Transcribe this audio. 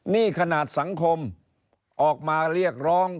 นี่ขนาดสังคมออกมาเรียกร้อง